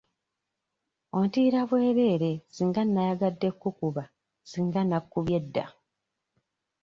Ontiira bwerere singa nayagadde kkukuba singa nakkubye dda.